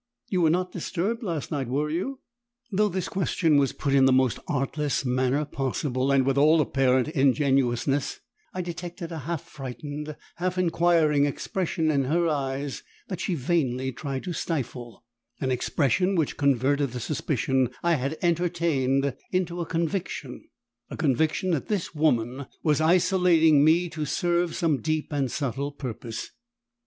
You were not disturbed last night were you?" Though this question was put in the most artless manner possible and with all apparent ingenuousness I detected a half frightened, half inquiring expression in her eyes that she vainly tried to stifle, an expression which converted the suspicion I had entertained into a conviction, a conviction that this woman was isolating me to serve some deep and subtle purpose.